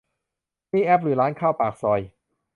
นี่แอปหรือร้านข้าวปากซอย